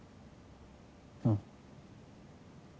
うん。